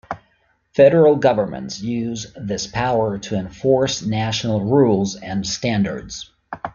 Federal governments use this power to enforce national rules and standards.